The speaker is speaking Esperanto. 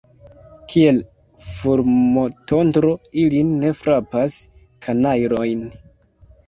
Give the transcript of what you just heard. Kiel fulmotondro ilin ne frapas, kanajlojn!